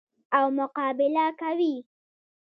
او مقابله کوي.